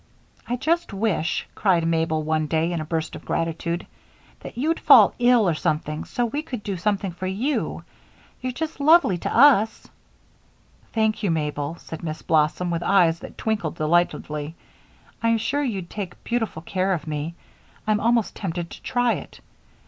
"I just wish," cried Mabel, one day, in a burst of gratitude, "that you'd fall ill, or something so we could do something for you. You're just lovely to us." "Thank you, Mabel," said Miss Blossom, with eyes that twinkled delightedly, "I'm sure you'd take beautiful care of me I'm almost tempted to try it.